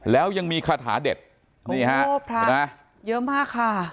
แล้วยังมีคาถาเด็ดนี่ฮะเห็นไหมเยอะมากค่ะ